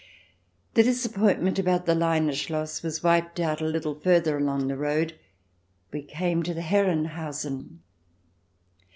The disappointment about the Leine Schloss was wiped out a little farther along the road. We came to Herrenhausen.